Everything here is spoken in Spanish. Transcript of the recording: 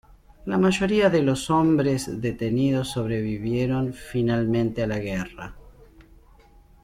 La mayoría de los hombres detenidos sobrevivieron finalmente a la guerra.